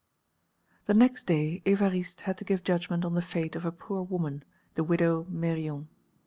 The next day Évariste had to give judgment on the fate of a poor woman, the widow Meyrion.